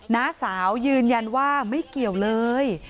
น้าสาวยืนยันว่าไม่เกี่ยวเลย